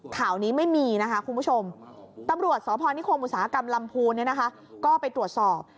ข่าวนี้ไม่มีนะคะคุณผู้ชมตำรวจสพนิคมอุตสาหกรรมลำพูนเนี่ยนะคะก็ไปตรวจสอบ